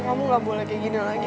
kamu gak boleh kayak gini lagi